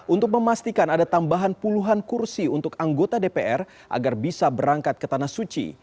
untuk memastikan ada tambahan puluhan kursi untuk anggota dpr agar bisa berangkat ke tanah suci